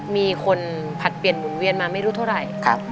มีคนผลัดเปลี่ยนหมุนเวียนมาไม่รู้เท่าไหร่